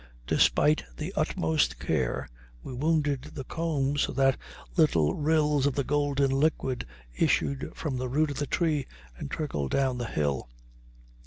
Despite the utmost care, we wounded the comb so that little rills of the golden liquid issued from the root of the tree and trickled down the hill.